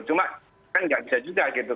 cuma kan nggak bisa juga gitu